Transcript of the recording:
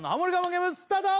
ゲームスタート